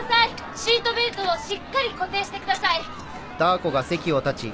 シートベルトをしっかり固定してください。